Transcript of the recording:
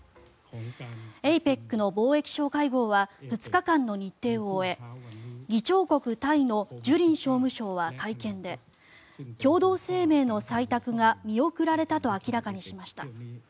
ＡＰＥＣの貿易相会合は２日間の日程を終え議長国タイのジュリン商務相は会見で共同声明の採択が見送られたと明らかにしました。